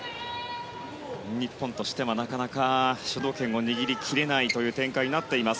日本としてはなかなか主導権を握り切れない展開になっています。